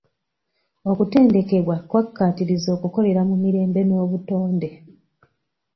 Okuteendekebwa kwakattiriza okukolera mu mirembe n'obutonde.